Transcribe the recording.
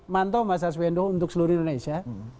mantau masa swendo untuk seluruh indonesia